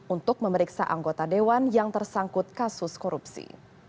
untuk memeriksa anggota dewan yang tersangkut kasus korupsi